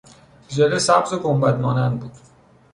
ژله سبز و گنبد مانند بود.